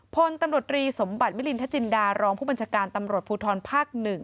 พลตำรวจรีสมบัติมิลินทจินดารองผู้บัญชาการตำรวจภูทรภาค๑